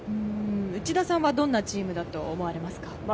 内田さんはどんなチームだと思われますか？